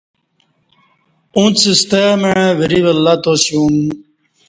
اُݩڅ ستمع وری ولہ تاسیوم